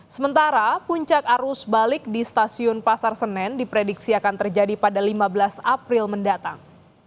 sementara puncak arus balik di stasiun pasar senen diprediksi akan terjadi pada lima belas april mendatang